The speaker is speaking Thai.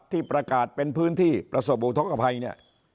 ที่ประกาศเป็นพื้นที่ประสบอุทธกภัยเนี่ย